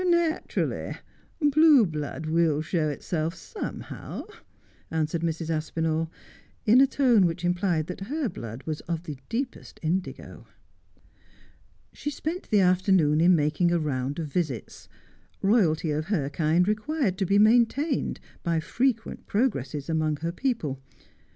' Naturally. Blue blood will show itself somehow,' answered Mrs. Aspinali, in a tone which implied that her blood was of the deepest indigo. She spent the afternoon in making a round of visits. Eoyalty of her kind required to be maintained by frequent progresses among her people.